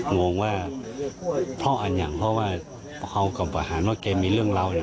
งงว่าเพราะอันอย่างเพราะว่าเขากับประหารว่าแกมีเรื่องเล่าเนี่ย